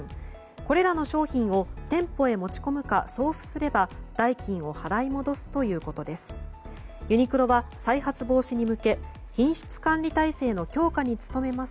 これらの商品を店舗に持ち込むか送付すれば代金を払い戻すということです。